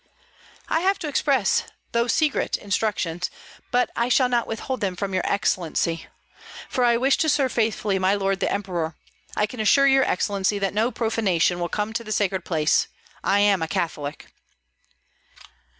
"I have express, though secret, instructions; but I shall not withhold them from your excellency, for I wish to serve faithfully my lord the emperor. I can assure your excellency that no profanation will come to the sacred place. I am a Catholic."